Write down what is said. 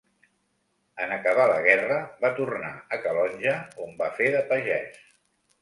En acabar la guerra, va tornar a Calonge, on va fer de pagès.